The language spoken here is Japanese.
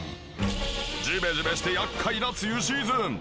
ジメジメして厄介な梅雨シーズン。